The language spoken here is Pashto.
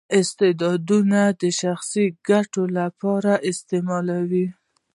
استعدادونه د شخصي ګټو لپاره استعمالوي.